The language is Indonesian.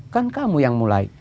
kan kamu yang mulai